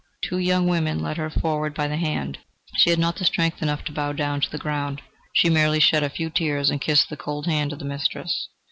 Two young women led her forward by the hand. She had not strength enough to bow down to the ground she merely shed a few tears and kissed the cold hand of her mistress.